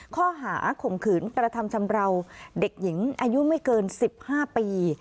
ข้อหาข่มขืนกระทำชำราวเด็กหญิงอายุไม่เกิน๑๕ปี